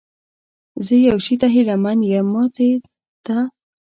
زه یو شي ته هیله من یم، ماتې ته؟